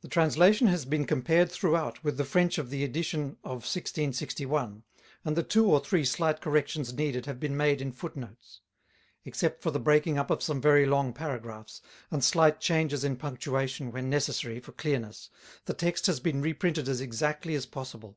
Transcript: The translation has been compared throughout with the French of the edition of 1661, and the two or three slight corrections needed have been made in footnotes. Except for the breaking up of some very long paragraphs, and slight changes in punctuation when necessary for clearness, the text has been reprinted as exactly as possible.